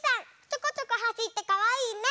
ちょこちょこはしってかわいいね。